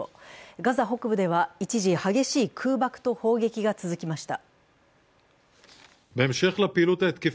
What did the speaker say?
ガザ北部では一時、激しい空爆と砲撃が続きました。